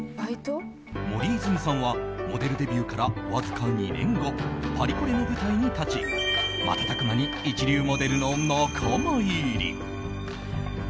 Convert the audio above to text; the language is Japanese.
森泉さんはモデルデビューからわずか２年後パリコレの舞台に立ち瞬く間に一流モデルの仲間入り。